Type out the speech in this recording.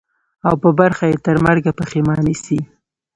او په برخه یې ترمرګه پښېماني سي